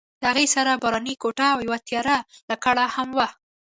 د هغې سره باراني کوټ او یوه تېره لکړه هم وه.